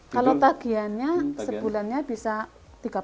kalau tagihannya sebulannya bisa rp tiga puluh satu rp tiga puluh lima kadang